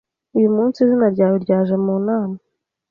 Uyu munsi, izina ryawe ryaje mu nama.